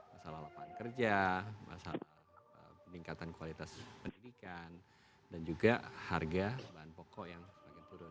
masalah lapangan kerja masalah peningkatan kualitas pendidikan dan juga harga bahan pokok yang semakin turun